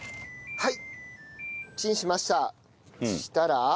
はい。